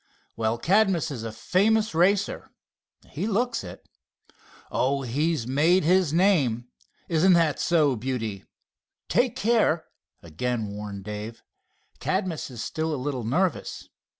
"Well, Cadmus is a famous racer." "He looks it." "Oh, he's made his name. Isn't that so, beauty?" "Take care," again warned Dave. "Cadmus is still a little nervous."